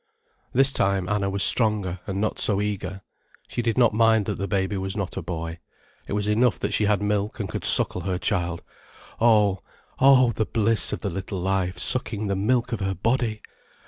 This time, Anna was stronger, and not so eager. She did not mind that the baby was not a boy. It was enough that she had milk and could suckle her child: Oh, oh, the bliss of the little life sucking the milk of her body!